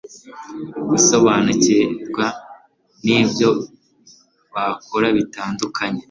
gusobanukirwa n ibyo bakora bitandukanye